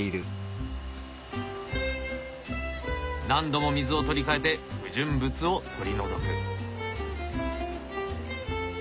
何度も水を取り替えて不純物を取り除く。